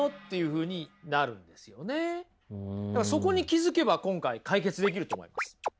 そこに気付けば今回解決できると思います。